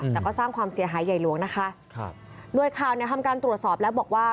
แต่ก็สร้างความเสียหายใหญ่หลวงนะคะครับหน่วยข่าวเนี่ยทำการตรวจสอบแล้วบอกว่า